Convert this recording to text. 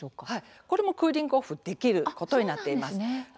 これもクーリング・オフできることになっています。